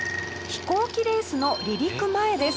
飛行機レースの離陸前です。